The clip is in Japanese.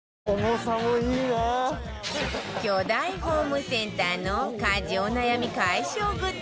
巨大ホームセンターの家事お悩み解消グッズ